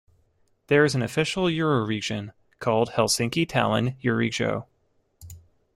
There is an official Euroregion called Helsinki-Tallinn Euregio.